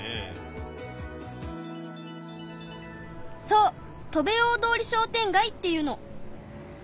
そう戸部大通り商店街っていうの。